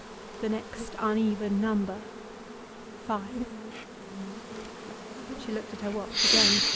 The next uneven number— Five. She looked at her watch again.